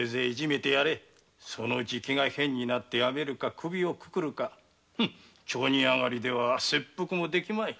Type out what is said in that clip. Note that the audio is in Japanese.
そのうち気が変になって辞めるか首をくくるか町人あがりでは切腹もできまい。